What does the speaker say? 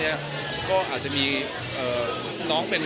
คุณแม่น้องให้โอกาสดาราคนในผมไปเจอคุณแม่น้องให้โอกาสดาราคนในผมไปเจอ